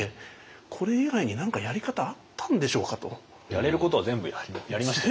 やれることは全部やりましたよね。